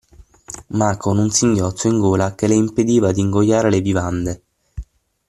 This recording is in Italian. Ma con un singhiozzo in gola che le impediva d'ingoiare le vivande.